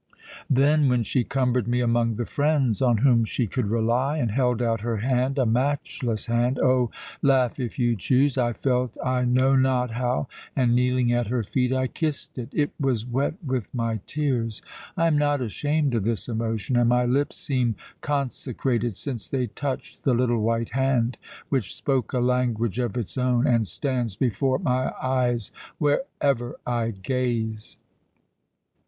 Then, when she cumbered me among the friends on whom she could rely and held out her hand a matchless hand oh! laugh if you choose I felt I know not how, and kneeling at her feet I kissed it; it was wet with my tears. I am not ashamed of this emotion, and my lips seem consecrated since they touched the little white hand which spoke a language of its own and stands before my eyes wherever I gaze."